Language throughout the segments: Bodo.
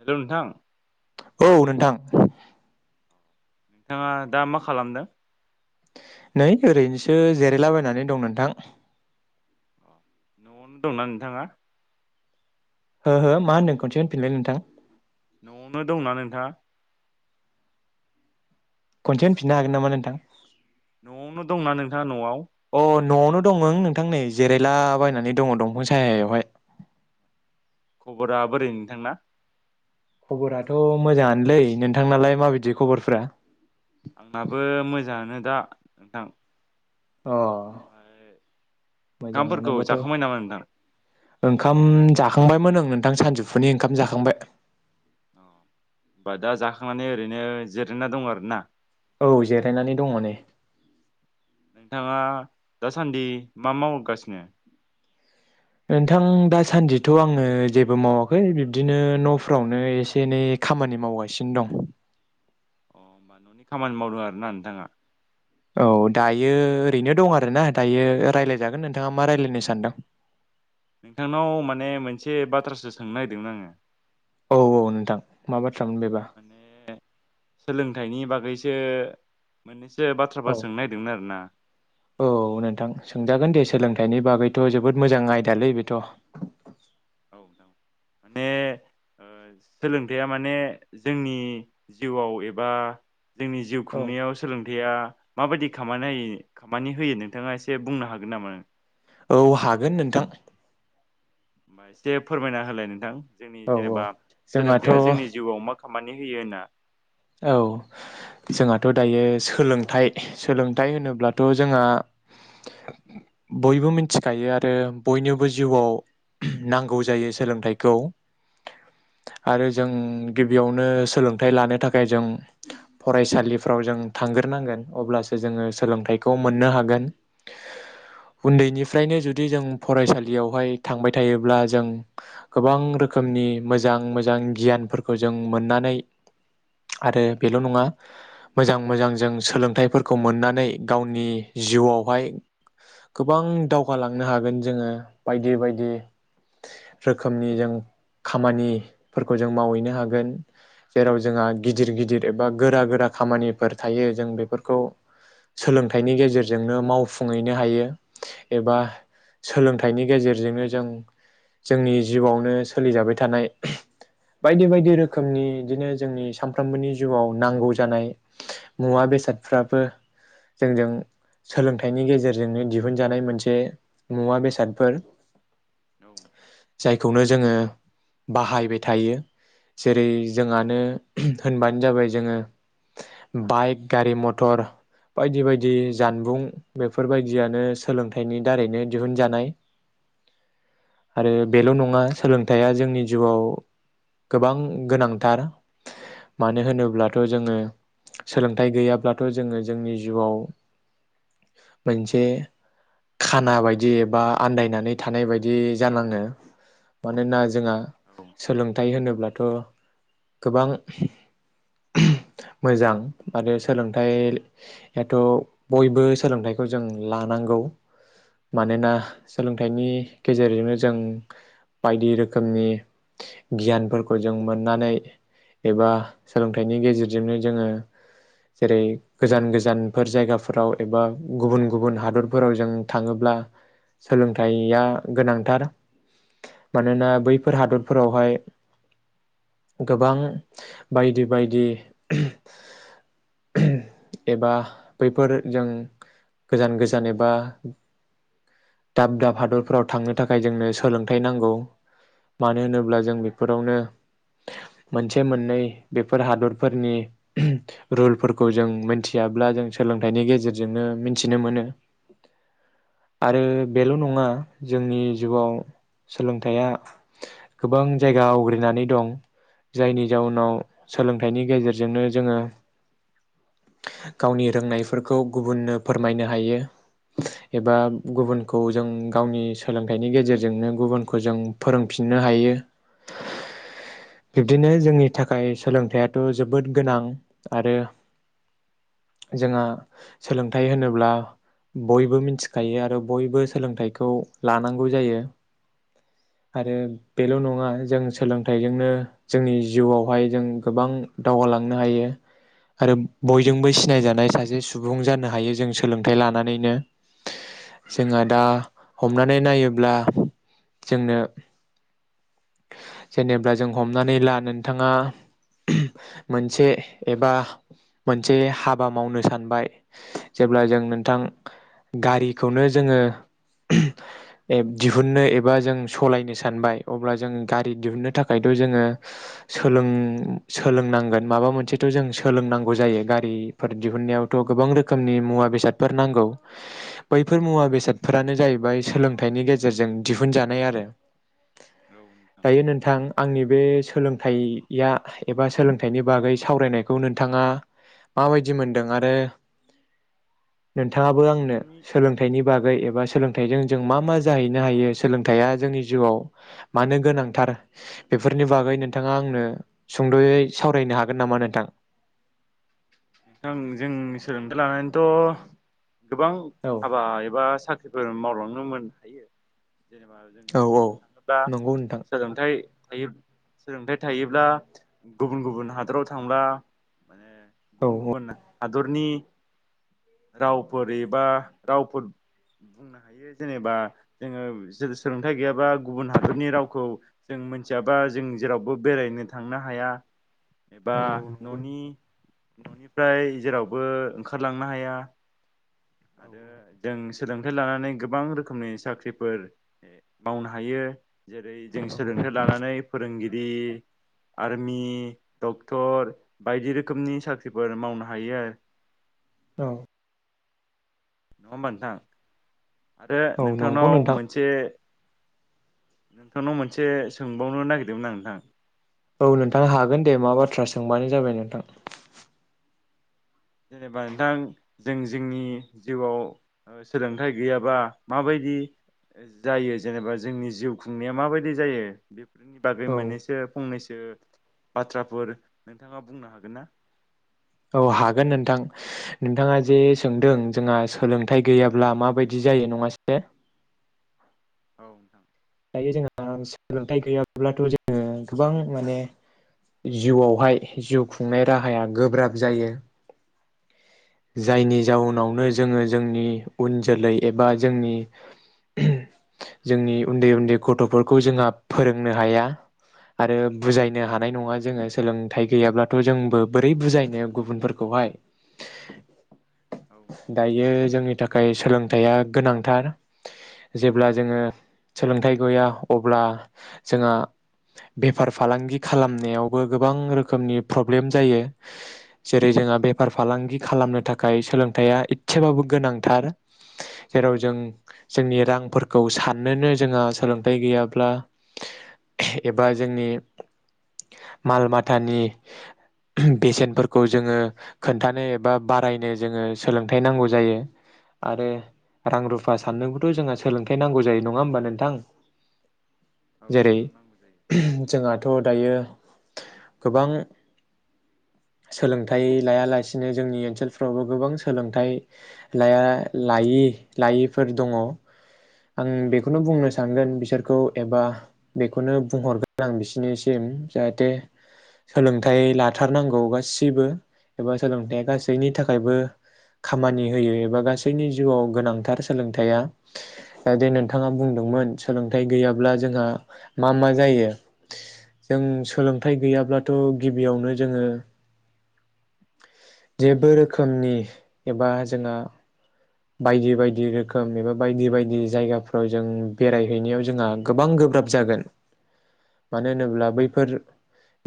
हेलौ नोंथां औ नोंथां। नोंथाङा दा मा खालामदों? नै ओरैनोसो जिरायलाबायनानै दं नोंथां। नयावनो दंना नोंथाङा? हो हो मा होनो खनसे होफिनलाय नोंथां? न'आवनो दंना नोंथाङा खनसे होनफिननो हागोन नामा नोंथां? नयावनो दंना नोंथाङा नयाव? नयावनो दंमोन नोंथां नै जिरायलाबायायनानै दङ दंफां सायायावहाय। खबरा बोरै नोंथांना? खबराथ मोजाङानोलै नोंथांनालाय माबायदि खबरफ्रा? आंनाबो मोजाङानो दा नोंथां। अ ओमफाय ओंखामफोरखौ मोजाङानोबाथ' जाखांबाय नामा नोंथां। ओंखाम जाखांबायमोन ओं नोंथां सानजौफुनि ओंखाम जाखांबाय। औ होमबा दा जाखांनानै ओरैनो जिरायना दं आरो ना? औ जिरायनानै दङ नै। नोंथाङा दासान्दि मा मावगासिनो? नोंथां दासान्दिथ आङो जेबो मावाखै बिब्दिनो नफ्रावनो एसे एनै खामानि मावगासिनो दं। अ होमबा ननि खामानि मावदों आरो ना नोंथाङा? औ दायो ओरैनो दं आरोना दायो रायलायजागोन नोंथाङा मा रायलायनो सानदों। नोंथांनाव माने मोनसे बाथ्रासो सोंनो नागिरदोंमोन आङो। औ नोंथां मा बाथ्रामोन बेबा माने सोलोंथाइनि बागै सो मोननैसो बाथ्राफोर औ सोंनो नागिरदोंमोन औ नोंथां सोंजागोन दे सोलोंथा थाइनि बागैथ जोबोद मोजां आयदालै बेथ। औ जागोन माने ओ सोलोंथाइया माने जोंनि जिउवाव एबा जोंनि जिउ खुंनायाव सोलोंथाइया माबायदि खामानि खामानि होयो नोंथाङा एसे बुंनो हागोन नामा नों औ हागोन नोंथां होमबा एसेे फोरमायना होलाय नोंथां। जोंनि औ औ जेनेबा जोंहाथ' सोलोंथाइया जोंनि औ जिउवाव मा खामानि होयो होना औ जोंहाथ दायो सोलोंथाइ सोलोंथाइ होनोब्लाथ जोंहा बयबो मिथिखायो आरो बयनोबो जिउआव नांगौ जायो सोलोंथाइखौ आरो जों गिबियावनो सोलोंथाइ लानो था खाय जों फरायसालिफ्राव जों थांग्रोनांगोन अब्लासो जोङो सोलोंथाइखौ मोननो हागोन। उन्दैनिफ्रायनो जुदि जों फरायसालियावहाय थांबाय थायोब्ला जों गोबां रोखोमनि मोजां मोजां गियानफोरखौ जों मोननानै आरो बेल' नङा मोजां मोजां जों सोलोंथाइफोरखौ मोननानै गावनि जिउवावहाय गोबां दावगालांनो हागोन जोङो। बायदि बायदि रोखोमनि जों खामानिफोरखौ जों मावहैनो हागोन जेराव जोंहा गिदिर गिदिर एबा गोरा गोरा खामानिफोर थायो जों बेफोरखौ सोलोंथाइनि गेजेरजोंनो मावफुंहैनो हायो एबा सोलोंथाइनि गेजेरजोंनो जों जोंनि जिउवावनो सोलिजाबाय थानाय बायदि बायदि रोखोमनि बिदिनो जोंनि सानफ्रोमबोनि जिउवाव नांगौ जानाय मुवा बेसादफ्राबो जोंजों सोलोंथाइनि गेजेरजोंनो दिहुनजानाय मोनसे मुवा बेसादफोर। औ नोंथां जायखौनो जोङो बाहायबाय थायो जेरै जोंहानो होनबानो जाबाय जोङो बाइक गारि मथर बायदि बायदि जानबुं बेफोर बायदियानो सोलोंथाइनि दारैनो दिहुनजानाय। औ आरो नोंथां बेल नङा सोलोंथाइया जोंनि जिउवाव गोबां गोनांथार। मानो होनोब्लाथ जोङो सोलोंथाइ गैयाब्लाथ जोङो जोंनि जिउआव मोनसे खाना बायदि एबा आन्दायनानै थानाय बायदि जानाङो। मानोना जोंहा औ सोलोंथाइ होनोब्ला थ' गोबां मोजां आरो सोलोंथायाथ' बयबो सोलोंथाइखौ जों लानांगौ मानोना सोलोंथाइनि गेजेरजोंनो जों बायदि रोखोमनि गियानफोरखौ जों मोननानै एबा सोलोंथाइनि गेजेरजोंनो जोङो जेरै गोजान गोजानफोर जायगाफोराव एबा गुबुन गुबुन हादरफोराव जों थाङोब्ला सोलोंथाइया गोनांथार मानोना बैफोर हादरफोरावहाय गोबां बायदि बायदि एबा बैफोर जों गोजान गोजान एबा दाब दाब हादरफोराव थांनो थाखाय जोंनो सोलोंथाइ नांगौ मानो होनोब्ला जों बेफोरावनो मोनसे मोननै बेफोर हादरफोरनि रुलफोरखौ जों मोनथियाब्ला जों सोलोंथाइनि गेजेरजोंनो मिथिनो मोनो। आरो नोंथां बेल' नङा जोंनि जिउवाव सोलोंथाइया गोबां जायगा आवग्रिनानै दं। जायनि जाउनाव सोलोंथाइनि गेजेरजोंनो जोङो गावनि रोंनायफोरखौ गुबुननो फोरमायनो हायो एबा गुबुनखौ जों गावनि सोलोंथाइनि गेजेरजोंनो गुबुनखौ जों फोरोंफिननो हायो। बिब्दिनो जोंनि थाखाय सोलोंथायाथ' जोबोद गोनां आरो जोंहा सोलोंथाइ होनोब्ला बयबो मिथिखायो आरो बयबो सोलोंथाइखौ लानांगौ जायो आरो बेल' नङा जों सोलोंथाइजोंनो जोंनि जिउआवहाय जों गोबां दावगालांनो हायो। आरो औ बयजोंबो सिनायजानाय सा जे सुबुं जानो हायो जों सोलोंथाइ लानानैनो नोंथां जोंहा औ दा नोंथां हमनानै नायोब्ला। जोंनो जेनेब्ला जों हमनानै ला नोंथाङा मोनसे एबा मोनसे हाबा मावनो सानबाय जेब्ला जों नोंथां गारिखौनो जोङो दिहुननो एबा जों सालायनो सानबाय अब्ला जों गारि दिहुननो थाखायथ' जोङो सोलों सोलोंनांगोन माबा मोनसेथ' जों सोलोंनांगौ जायो गारिफोर दिहुननायावथ' गोबां रोखोमनि मुवा बेसादफोर नांगौ। बैफोर औ मुवा बेसादफोरानो जाहैबाय सोलोंथाइनि गेजेरजों दिहुनजानाय आरो नोंथां दायो नोंथां आंनि बे सोलोंथाइया एबा सोलोंथाइनि बागै सावरायनायखौ नोंथाङा माबायदि मोनदों आरो नोंथाङाबो आंनो नोंथांनि सोलोंथाइनि बागै एबा सोलोंथाइजों जों मा मा जाहैनो हायो सोलोंथाइया जोंनि जिउआव मानो गोनांथार बेफोरनि बागै नोंथाङा आंनो सुंद'यै सावरायनो हागोन नामा नोंथां। नोंथां जों सोलोंथाइ लानानैथ' गोबां औ हाबा एबा साख्रिफोर मावलांनोमोन थायो। जेनेबा जों औ बुंनो थाङोब्ला नंगौ नोंथां सोलोंथाइ यो सोलोंथाइ थायोब्ला गुबुन गुबुन हादराव थांबा माने औ गुबुन गुबुना हादरनि रावफोर एबा रावफोर बुंनो हायो जेनेबा जोङो सोलोंथाइ गैयाबा गुबुन हादरनि रावखौ जों मोनथियाबा जों जेरावबो बेरायनो थांनो हाया। एबा न'नि न'निफ्राय जेरावबो ओंखारलांनो हाया। आरो जों सोलोंथाइ लानानै गोबां रोखोमनि साख्रिफोर मावनो हायो। जेरै जों सोलोंथाइ लानानै फोरोंगिरि आरमि डक्टर बायदि रोखोमनि सा फोर मावनो हायो आरो औ। मामोन नोंथां? आरो औ नंगौ नोंथांनाव नोंथां मोनसे नोंथांनाव मोनसे सोंबावनो नागिरदोंमोन आं नोंथां औ नोंथां हागोन दे मा बाथ्रा सोंबानो जाबाय नोंथां। जेनेबा नोंथां जों जोंनि जिउवाव सोलोंथाइ गैयाबा माबायदि जायो जेनेबा जोंनि जिउ खुंनाया माबायदि जायो? बागै औ मोननैसो फंनैसो बाथ्राफोर नोंथाङा बुंनो हागोन ना? औ हागोन नोंथां नोंथाङा जे सोंदों जोंहा सोलोंथाइ गैयाब्ला माबायदि जायो नङासे औ नोंथां दायो जोंहा सोलोंथाइ गैयाब्लाथ जोङो गोबां माने जिउवावहाय जिउ खुंनाय राहाया गोब्राब जायो। औ जायनि जाउनावनो जोङो जोंनि उन जोलै एबा जोंनि जोंनि उन्दै उन्दै गथफोरखौ जोंहा फोरोंनो हाया आरो बुजायनो औ हानाय नङा जोङो सोलों थाइ गैयाब्लाथ जोंबो बोरै बुजायनो गुबुनफोरखौहाय? औ नोंथां दायो जोंनि था खाय सोलोंथाइया गोनांथार जेब्ला जोङो सोलोंथाइ गैया अब्ला जोंहा बेफार फालांगि खालामनायावबो गोबां रोखोमनि प्रब्लेम जायो। जेरै जोंहा बेफार फालांगि खालामनो थाखाय सोलोंथाइया एसेबाबो गोनांथार। जेराव जों जोंनि रांफोरखौ साननोनो जोंहा सोलोंथाइ गैयाब्ला एबा जोंनि माल माथानि बेसेनफोरखौ जोङो खोन्थानो एबा बारायनो जोङो सोलोंथाइ नांगौ जायो आरो रां औ रुफा साननोखौथ जोंहा सोलोंथाइ नांगौ जायो नङा होनबा नोंथां औ जेरै नोंथां नांगौ जायो। जोंहाथ दायो गोबां सोलोंथाइ लायालासिनो जोंनि ओनसोलफ्रावबो गोबां सोलोंथाइ लाया लायि लायिफोर दङ। आं बेखौनो बुंनो सानगोन बिसोरखौ एबा बेखौनो बुंहरगोन आं बिसोरनिसिम जाहाथे सोलोंथाइ लाथारनांगौ गासिबो एबा सोलोंथाइया गासैनि थाखायबो खामानि होयो एबा गासैनि जिउवाव गोनांथार सोलोंथाइया जाहाथे नोंथाङा बुंदोंमोन सोलोंथाइ गैयाब्ला जोंहा मा मा जायो जों सोलोंथाइ गैयाब्लाथ गिबियावनो जोङो जेबो रोखोमनि एबा जोंङो बायदि बायदि रोखोम एबा बायदि बायदि जायगाफ्राव जों बेरायहैनायाव जोंहा गोबां गोब्राब जागोन। मानो होनोब्ला बैफोर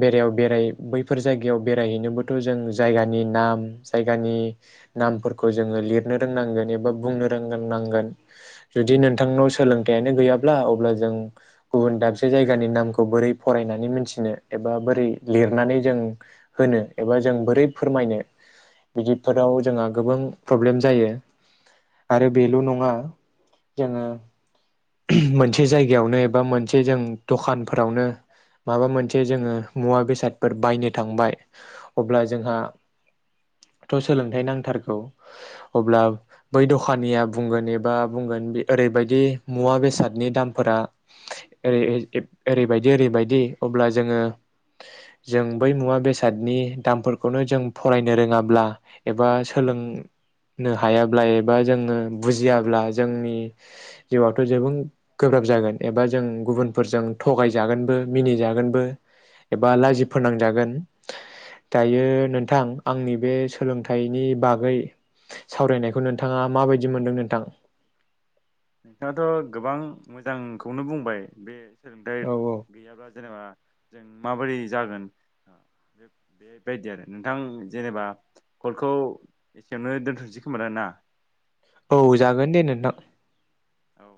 बेरायाव बेराय बैफोर जायगायाव बेरायहैनोबोथ जों जायगानि नाम जायगानि नामफोरखौ जोङो लिरनो रोंनांगोन एबा बुंनो रोंनांगोन। जुदि नोंथांनाव सोलोंथाइयानो गैयाब्ला अब्ला जों गुबुन दाबसे जायगानि नामखौ बोरै फरायनानै मोनथिनो एबा बोरै लिरनानै जों होनो एबा जों बोरै फोरमायनो बिदिफोराव जोंहा गोबां प्रब्लेम जायो। आरो बेल' नङा जोङो मोनसे जायगायावनो एबा मोनसे जों दखानफोरावनो माबा मोनसे जोङो मुवा बेसादफोर बायनो थांबाय अब्ला जोंहाथ सोलोंथाइ नांथारगौ। अब्ला बै दखानिया बुंगोन एबा बुंगोन बे ओरै बायदि मुवा बेसादनि दामफोरा ओरै ओरै बायदि ओरै बायदि अब्ला जोङो जों बै मुवा बेसादनि दामफोरखौनो जों फरायनो रोङाब्ला एबा सोलोंनो हायाब्ला एबा जोङो बुजियाब्ला जोंनि जिउआथ जोबां गोब्राब जागोन एबा जों गुबुनफोरजों थगायजागोनबो मिनिजागोनबो एबा लाजि फोनांजागोन। दायो नोंथां आंनि बे सोलोंथाइनि बागै सावरायनायखौ नोंथाङा माबायदि मोनदों नोंथां? नोंथाङाथ गोबां मोजांखौनो बुंबाय बे सोलोंथाइ औ गैयाबा जेनेबा जों माबोरै जागोन बेबायदि आरो नोंथां जेनेबा कलखौ बेयावनो दोन्थनोसै खोमा ना? औ जागोन दे नोंथां। औ